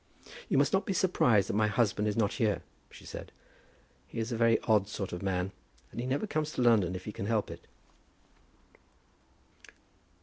"You must not be surprised that my husband is not here," she said. "He is a very odd sort of man, and he never comes to London if he can help it."